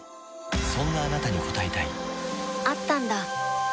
そんなあなたに応えたいあったんだ！